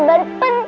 dia ada apaan sih